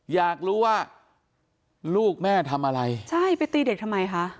อยากรู้ว่าลูกแม่ทำอะไรใช่ไปตีเด็กทำไมคะ